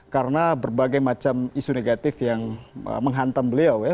karena berbagai macam isu negatif yang menghantam beliau ya